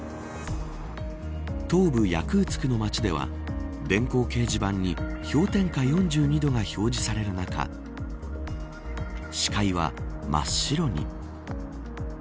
東部ヤクーツクの町では電光掲示板に氷点下４２度が表示される中視界は真っ白に。